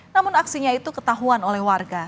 namun aksinya itu ketahuan oleh warga